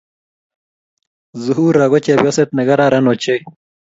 Zuhura ko chepnyoset negararan ochei